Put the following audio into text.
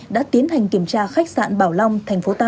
đã tiến hành kiểm tra khách sạn bảo long thành phố tam kỳ